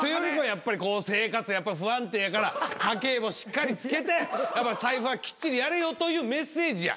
やっぱり不安定やから家計簿しっかり付けて財布はきっちりやれよというメッセージや。